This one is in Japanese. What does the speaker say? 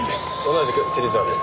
同じく芹沢です。